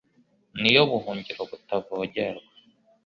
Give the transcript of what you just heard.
ni yo buhungiro butavogerwa